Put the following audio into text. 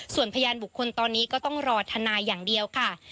ส่วนพยานบุคคลตอนนี้ก็ต้องรอทนายอย่างเดียวค่ะ